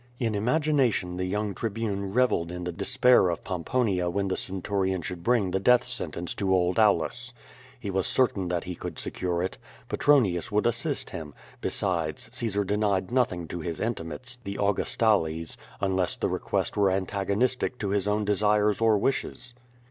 In imagination the young tribune reyelled in the despair of Pomponia when the centurion should bring the death sen tence to old Aulus. He was certain that he could secure it. Petronius would assist him; besides, Caesar denied nothing to his intimates, the Augustales, unless the request were antag onistic to his own desires or wishes.